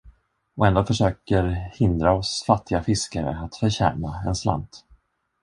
Och ändå försöker hindra oss fattiga fiskare att förtjäna en slant.